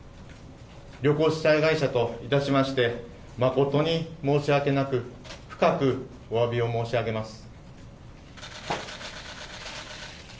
旅行主催会社といたしまして誠に申し訳なく深くお詫び申し上げます。